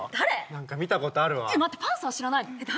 ・何か見たことあるわ待ってパンサー知らないの？